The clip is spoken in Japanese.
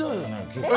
結構。